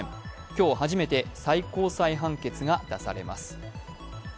今日初めて最高裁判決が出されます。